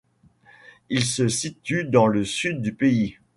Il se situe dans le sud du pays.